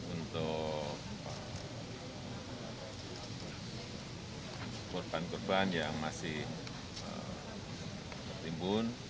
untuk korban korban yang masih tertimbun